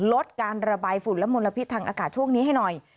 ลดการระบายฝุ่นและมลพิษทางอากาศช่วงนี้ให้หน่อย